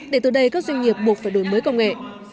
để từ đây các doanh nghiệp buộc phải đổi mới công nghệ